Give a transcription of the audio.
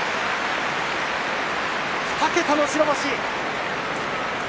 ２桁の白星。